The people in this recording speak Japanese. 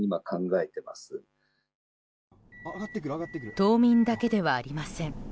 冬眠だけではありません。